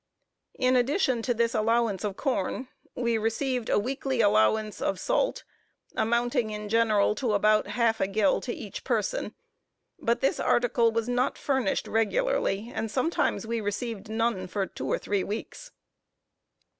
In addition to this allowance of corn, we received a weekly allowance of salt, amounting in general to about half a gill to each person; but this article was not furnished regularly, and sometimes we received none for two or three weeks.